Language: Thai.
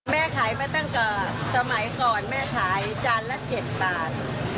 แม่ขายมาตั้งแต่สมัยก่อนแม่ขายจานละ๗บาท